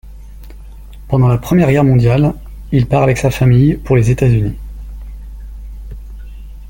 Pendant la Première Guerre mondiale, il part avec sa famille pour les États-Unis.